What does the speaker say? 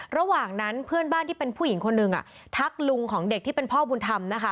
ระหว่างนั้นเพื่อนบ้านที่เป็นผู้หญิงคนหนึ่งทักลุงของเด็กที่เป็นพ่อบุญธรรมนะคะ